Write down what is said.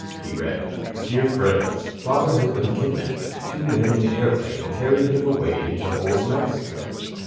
He read: "Dear Friends, Father has been kidnapped. Two men in airplane carried him away into Old Mexico.